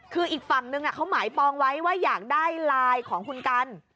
คืออีกฝั่งนึงเขาหมายปองไว้ว่าอยากได้ไลน์ของคุณกัน